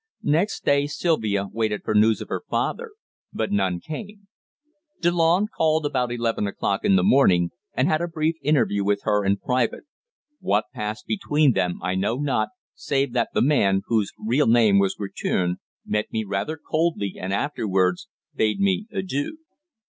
Next day Sylvia waited for news of her father, but none came. Delanne called about eleven o'clock in the morning, and had a brief interview with her in private. What passed between them I know not, save that the man, whose real name was Guertin, met me rather coldly and afterwards bade me adieu.